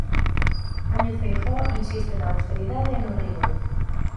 Núñez Feijóo insiste na austeridade e no rigor.